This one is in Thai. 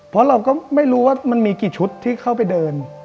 เพราะเราก็ไม่รู้ว่ามันมีกี่ชุดที่เข้าไปเดิน